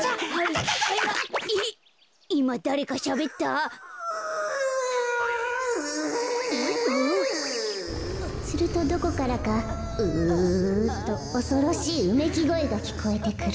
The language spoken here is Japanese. ウウ。かいそうするとどこからか「ウウウ」とおそろしいうめきごえがきこえてくる。